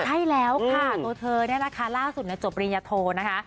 ใช่แล้วค่ะตัวเธอเนี่ยนะคะล่าสุดจบปริญญาโทนะคะ